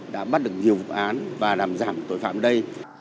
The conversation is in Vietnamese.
đã bắt được nhiều vụ án và làm giảm tội phạm ở đây